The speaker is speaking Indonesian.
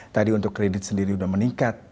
tadi untuk kredit sendiri sudah meningkat